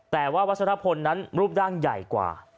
แต่ว่าวัชรพลนั้นรูปร่างใหญ่กว่า